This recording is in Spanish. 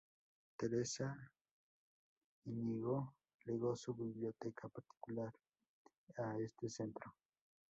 Teresa Íñigo legó su biblioteca particular a este centro.